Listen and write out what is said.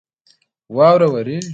واوره ورېږي